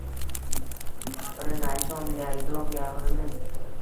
Аbri nayson yaydoq yagʼrini